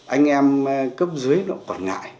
anh em cấp dưới nó còn ngại